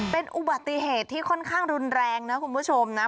เป็นอุบัติเหตุที่ค่อนข้างรุนแรงนะคุณผู้ชมนะ